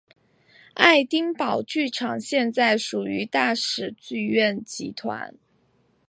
爱丁堡剧场现在属于大使剧院集团。